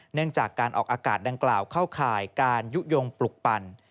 เนื่องจากการออกอากาศดังกล่าวเข้าข่ายการยุโยงปลุกปั่น